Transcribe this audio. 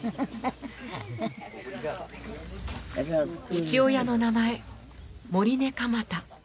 父親の名前モリネ・カマタ。